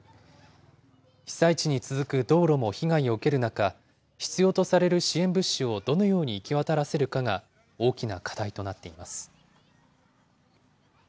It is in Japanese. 被災地に続く道路も被害を受ける中、必要とされる支援物資をどのように行き渡らせるかが大きな課題となっています。